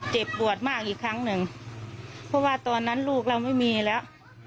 เจ็บปวดมากอีกครั้งหนึ่งเพราะว่าตอนนั้นลูกเราไม่มีแล้ว